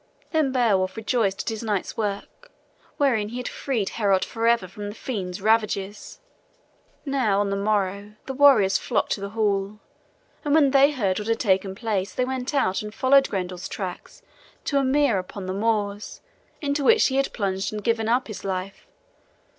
Then Beowulf rejoiced at his night's work, wherein he had freed Heorot forever from the fiend's ravages. Now on the morrow the warriors flocked to the hall; and when they heard what had taken place, they went out and followed Grendel's tracks to a mere upon the moors, into which he had plunged and given up his life.